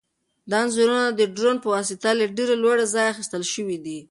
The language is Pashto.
دا انځورونه د ډرون په واسطه له ډېر لوړ ځایه اخیستل شوي دي.